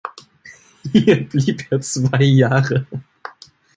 Hier blieb er zwei Jahre.